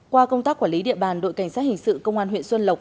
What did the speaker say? qua công tác quản lý địa bàn đội cảnh sát hình sự công an huyện xuân lộc